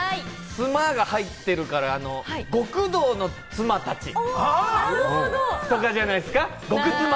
ツマが入ってるから、「極道のツマたち」とかじゃないですか？